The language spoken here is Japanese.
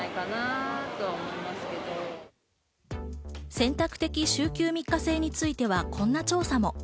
選択的週休３日制についてはこんな調査も。